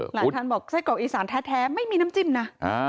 หลายท่านบอกไส้กรอกอีสานแท้ไม่มีน้ำจิ้มนะ